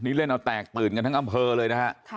หนึ่งเล่นเอาแตกตื่นกันทั้งกำเกินเลยนะคะค่ะ